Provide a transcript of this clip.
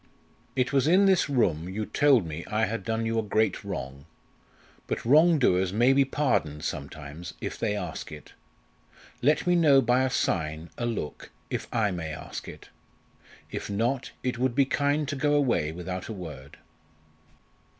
_"It was in this room you told me I had done you a great wrong. But wrongdoers may be pardoned sometimes, if they ask it. Let me know by a sign, a look, if I may ask it. If not it would be kind to go away without a word."